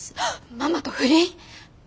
ママと不倫！？